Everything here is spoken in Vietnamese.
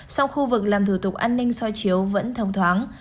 sau khu vực làm thủ tục an ninh soi chiếu vẫn thông thoáng